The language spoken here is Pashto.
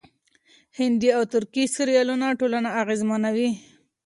هندي او ترکي سريالونه ټولنه اغېزمنوي.